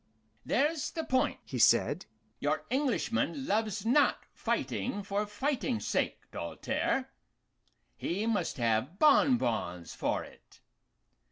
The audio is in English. "There's the point," he said. "Your Englishman loves not fighting for fighting's sake, Doltaire; he must have bonbons for it.